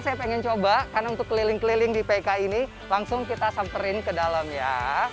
saya pengen coba karena untuk keliling keliling di pk ini langsung kita samperin ke dalam ya